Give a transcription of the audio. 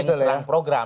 saling serang program